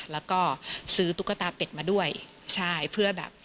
แล้วก็ซื้อตุ๊กตาเป็ดมาด้วยใช่เพื่อแบบ